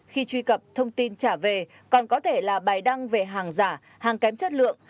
khi truy cập thông tin trả về còn có thể là bài đăng về hàng giả hàng kém chất lượng